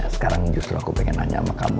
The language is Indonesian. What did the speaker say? sekarang justru aku pengen nanya sama kamu